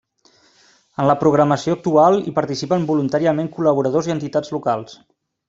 En la programació actual hi participen voluntàriament col·laboradors i entitats locals.